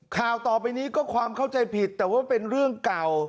ข่าวต่อไปนี้ก็ความเข้าใจผิดแต่ว่าเป็นเรื่องเก่า